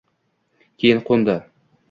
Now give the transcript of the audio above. keyin qo‘ndi.